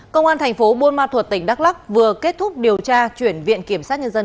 công an thành phố buôn ma thuật tỉnh đắk lắc vừa kết thúc điều tra chuyển viện kiểm sát nhân dân